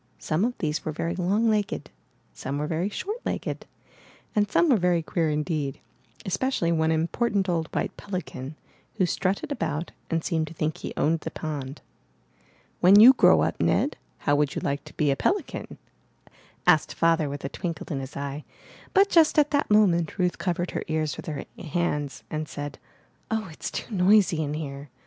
Some of these were very long legged, some were very short legged, and some were very queer indeed, especially one important old white pelican, who strutted about and seemed to think he owned the pond. ''When you grow up, Ned, how would you like to 414 IN THE NURSERY be a pelican?" asked Father with a twinkle in his eye, but just at that moment Ruth covered her ears with her hands and said, ''Oh, it's too noisy here.